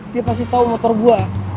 dia pasti tahu motor gua